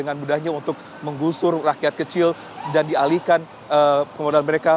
dengan mudahnya untuk menggusur rakyat kecil dan dialihkan modal mereka